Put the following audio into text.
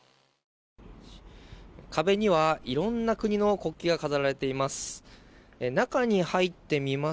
壁にはいろんな国の国旗が飾られています。